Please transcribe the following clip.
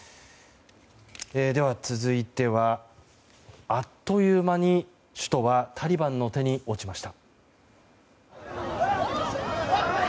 続いては、あっという間に首都はタリバンの手に落ちました。